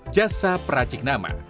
jasa peracik nama